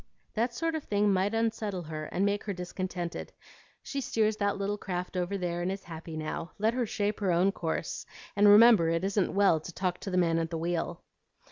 "That sort of thing might unsettle her and make her discontented. She steers that little craft over there and is happy now; let her shape her own course, and remember it isn't well to talk to the man at the wheel."